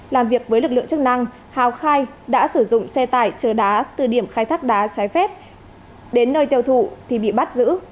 làm việc với lực lượng chức năng hào khai đã sử dụng xe tải chở đá từ điểm khai thác đá trái phép đến nơi tiêu thụ thì bị bắt giữ